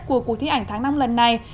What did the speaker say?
của cuộc thi ảnh tháng năm lần này